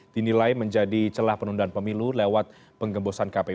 dinilai menjadi celah penundaan pemilu lewat pengembosan kpu